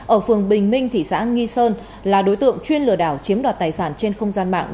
ở phường bình minh thị xã nghi sơn là đối tượng chuyên lừa đảo chiếm đoạt tài sản trên không gian mạng